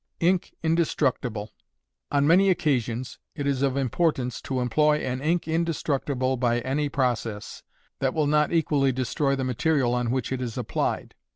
Ink, Indestructible. On many occasions it is of importance to employ an ink indestructible by any process, that will not equally destroy the material on which it is applied.